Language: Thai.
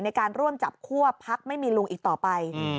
ในการร่วมจับคั่วพักไม่มีลุงอีกต่อไป